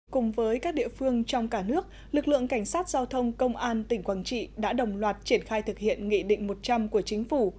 cùng với các địa phương trong cả nước lực lượng cảnh sát giao thông công an tỉnh quảng trị đã đồng loạt triển khai thực hiện nghị định một trăm linh của chính phủ